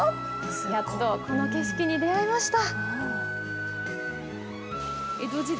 やっとこの景色に出会えました。